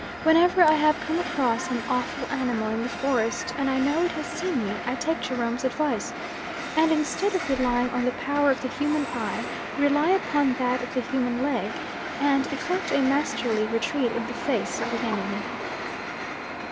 Whenever I have come across an awful animal in the forest and I know it has seen me I take Jerome's advice, and instead of relying on the power of the human eye rely upon that of the human leg, and effect a masterly retreat in the face of the enemy.